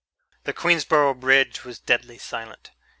The Queensborough Bridge was deadly silent.